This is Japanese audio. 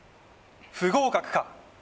不合格か？